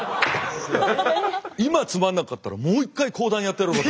今つまんなかったらもう一回講談やってやろうかと。